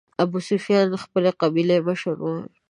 ابوسفیان خپلې قبیلې مشر و.